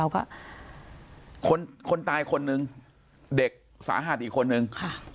ก็คนตายคนนึงเด็กสาหัสอีกคนนึง